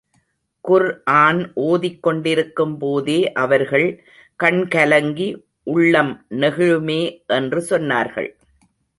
குர்ஆன் ஓதிக் கொண்டிருக்கும் போதே அவர்கள் கண் கலங்கி, உள்ளம் நெகிழுமே என்று சொன்னார்கள்.